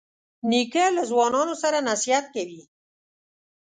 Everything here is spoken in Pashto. نیکه له ځوانانو سره نصیحت کوي.